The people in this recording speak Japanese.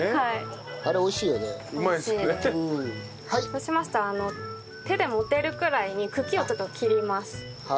そうしましたら手で持てるくらいに茎をちょっと切ります。